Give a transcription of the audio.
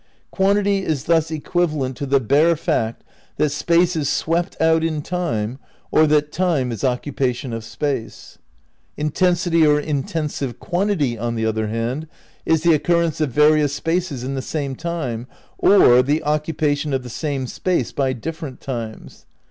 ... "Quantity is thus equivalent to the bare fact that Space is swept out in Time, or that Time is occupation of Space. "Intensity or intensive quantity, on the other hand, is the occur rence of various spaces in the same time, or ... the occupation of the same space by different times.